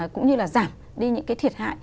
cũng như là giảm đi những cái thiệt hại